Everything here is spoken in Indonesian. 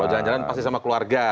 oh jalan jalan pasti sama keluarga